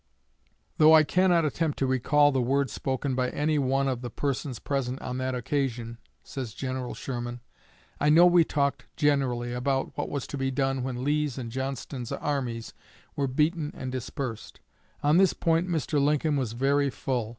"Though I cannot attempt to recall the words spoken by any one of the persons present on that occasion," says General Sherman, "I know we talked generally about what was to be done when Lee's and Johnston's armies were beaten and dispersed. On this point Mr. Lincoln was very full.